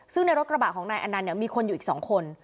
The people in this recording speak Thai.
ซึ่งในรถกระบะของนายอันนั้นเนี่ยมีคนอยู่อีกสองคน